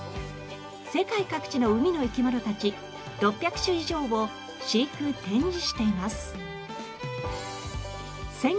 世界各地の海の生き物たち６００種以上を飼育展示しています。